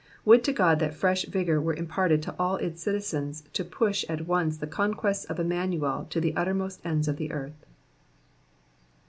Would to God that fresh vigour were imparted to ail its citizens to push at once the conquests of Immanuel to the uttermost ends of the earth.